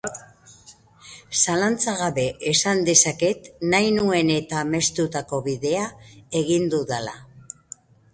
Zalantza gabe esan dezaket nahi nuen eta amestutako bidea egin dudala.